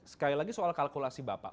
sekali lagi soal kalkulasi bapak